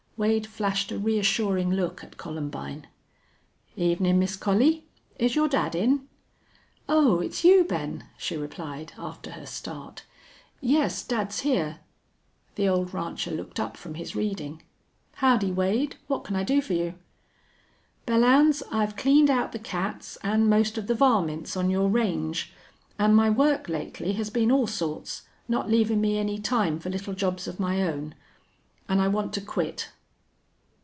Wade flashed a reassuring look at Columbine. "Evenin', Miss Collie. Is your dad in?" "Oh, it's you, Ben!" she replied, after her start. "Yes, dad's here." The old rancher looked up from his reading. "Howdy, Wade! What can I do fer you?" "Belllounds, I've cleaned out the cats an' most of the varmints on your range. An' my work, lately, has been all sorts, not leavin' me any time for little jobs of my own. An' I want to quit."